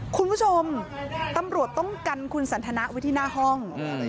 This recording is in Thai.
คุณผู้ชมตำรวจต้องกันคุณสันทนาไว้ที่หน้าห้อง